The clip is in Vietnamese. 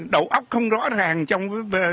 đầu óc không rõ ràng